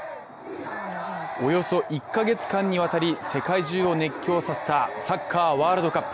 およそ１か月間にわたり世界中を熱狂させたサッカーワールドカップ。